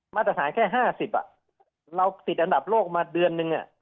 มาตรฐานแค่ห้าสิบอ่ะเราติดอันดับโลกมาเดือนหนึ่งอ่ะ